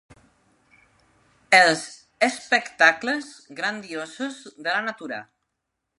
Els espectacles grandiosos de la natura.